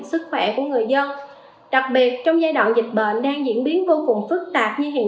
sức khỏe của người dân đặc biệt trong giai đoạn dịch bệnh đang diễn biến vô cùng phức tạp như hiện